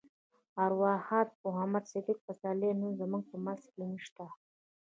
ارواښاد محمد صديق پسرلی نن زموږ په منځ کې نشته.